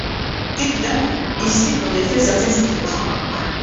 Évidemment ! Il cible en effet certaines situations.